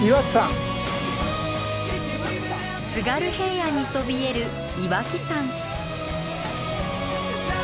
津軽平野にそびえる岩木山。